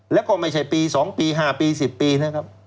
แล้วก็ไม่ใช่ปี๒ปี๕ปี๑๐ปีนะครับ